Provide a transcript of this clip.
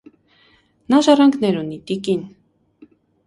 նա ժառանգներ ունի, տիկին…